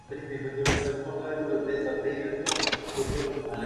Následujících osm let vedl arabskou sekci Radia Vatikán.